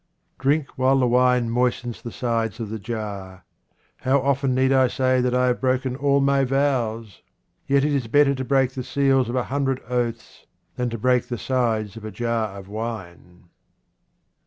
Drink while the wine moistens the sides of the jar. How often need I say that I have broken all my vows ? Yet it is better to break the seals of a hundred oaths than to break the sides of a jar of wine.